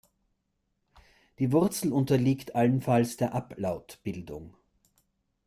Die Wurzel unterliegt allenfalls der Ablautbildung.